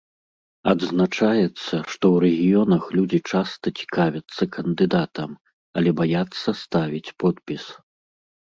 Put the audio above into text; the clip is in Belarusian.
Адзначаецца, што ў рэгіёнах людзі часта цікавяцца кандыдатам, але баяцца ставіць подпіс.